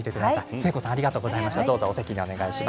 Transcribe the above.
誠子さんありがとうございました。